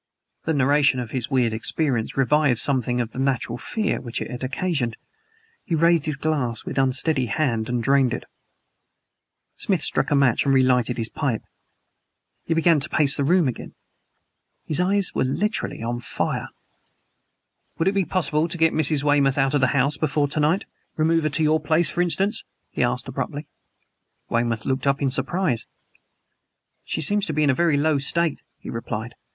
The narration of his weird experience revived something of the natural fear which it had occasioned. He raised his glass, with unsteady hand, and drained it. Smith struck a match and relighted his pipe. He began to pace the room again. His eyes were literally on fire. "Would it be possible to get Mrs. Weymouth out of the house before to night? Remove her to your place, for instance?" he asked abruptly. Weymouth looked up in surprise. "She seems to be in a very low state," he replied.